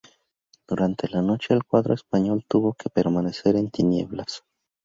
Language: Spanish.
Durante la noche el cuadro español tuvo que permanecer en tinieblas.